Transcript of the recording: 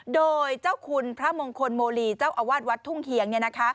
โดยเจ้าคุณพระมงคลโมลีเจ้าอาวาสวัดทุ่งเคียง